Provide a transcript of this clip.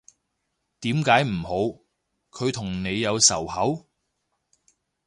點解唔好，佢同你有仇口？